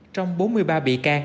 trong bốn mươi ba vị can